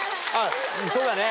そうだね。